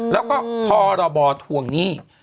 แล้วก็พอเราบ่อทวงนี้